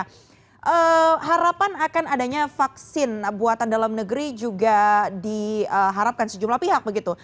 harapan akan adanya vaksin buatan dalam negeri juga diharapkan sejumlah pihak begitu